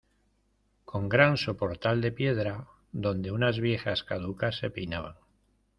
con gran soportal de piedra, donde unas viejas caducas se peinaban.